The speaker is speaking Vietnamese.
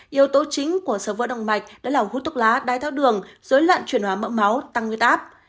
yếu tố chính của sầu vỡ động mạch đó là hút thuốc lá đai tháo đường dối loạn chuyển hóa mỡ máu tăng huyết áp